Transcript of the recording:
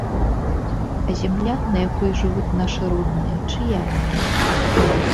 А зямля, на якой жывуць нашы родныя, чыя яна?